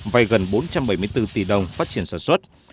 vay gần bốn trăm bảy mươi bốn tỷ đồng phát triển sản xuất